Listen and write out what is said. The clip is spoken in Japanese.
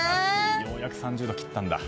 ようやく３０度を切ったんだ。